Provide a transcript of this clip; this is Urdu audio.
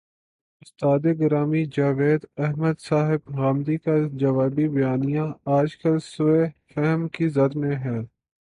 استاد گرامی جاوید احمد صاحب غامدی کا جوابی بیانیہ، آج کل سوء فہم کی زد میں ہے۔